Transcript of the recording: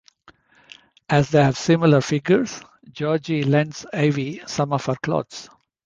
As they have similar figures, Georgie lends Ivy some of her clothes.